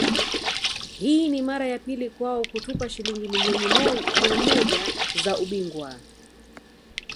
Hii ni mara ya pili kwao kutupa Shilingi milioni mia moja za ubingwa